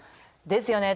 「ですよね！」。